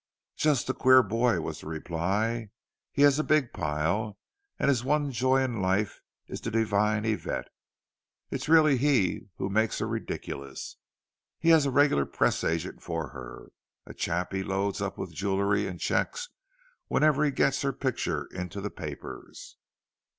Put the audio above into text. "Just a queer boy," was the reply. "He has a big pile, and his one joy in life is the divine Yvette. It is really he who makes her ridiculous—he has a regular press agent for her, a chap he loads up with jewellery and cheques whenever he gets her picture into the papers."